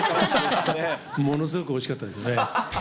ものすごく、おいしかったですよね。